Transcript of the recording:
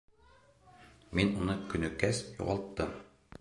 Мин уны, Көнөкәс, юғалттым.